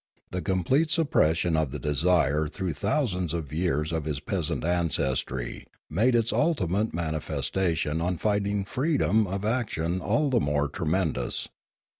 The complete suppression of the desire through thousands of years of his peasant ancestry made its ultimate man ifestation on finding freedom of action all the more tremendous.